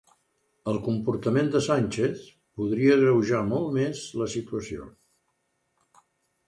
El comportament de Sánchez podria agreujar molt més la situació